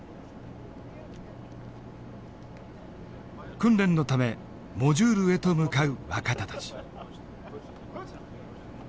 訓練のためモジュールへと向かう若田たち。